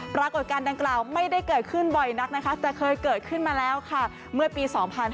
ปรากฏการณ์ดังกล่าวไม่ได้เกิดขึ้นบ่อยนักนะคะแต่เคยเกิดขึ้นมาแล้วค่ะเมื่อปี๒๕๕๙